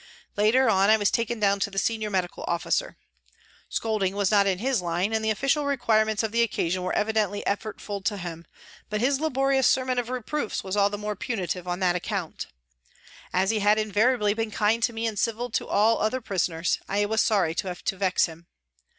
Later on I was taken down to the Senior Medical Officer. Scolding was not in his line and the official require ments of the occasion were evidently effortful to him, but his laborious sermon of reproofs was all the more punitive on that account. As he had invari ably been kind to me and civil to all other prisoners, I was sorry to have to vex him.